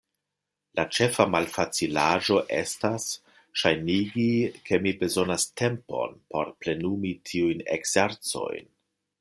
La ĉefa malfacilaĵo estas ŝajnigi ke mi bezonas tempon por plenumi tiujn ekzercojn.